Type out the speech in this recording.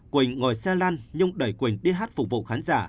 quỳnh ngồi xe lan nhung đẩy quỳnh đi hát phục vụ khán giả